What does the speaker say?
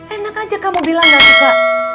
enak aja kamu bilang gak lupa